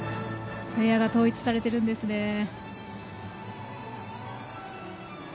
ウエアが統一されているんですね。